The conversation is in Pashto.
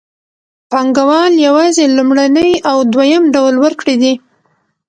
پانګوال یوازې لومړنی او دویم ډول ورکړي دي